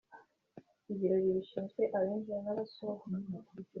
ibiro bishinzwe abinjira n’abasohoka